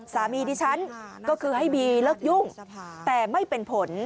ดิฉันก็คือให้บีเลิกยุ่งแต่ไม่เป็นผล